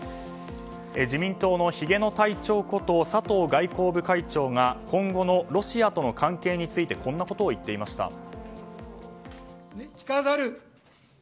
自民党のひげの隊長こと佐藤外交部会長が今後のロシアとの関係についてこんなことを言っていました。